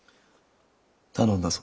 頼んだぞ。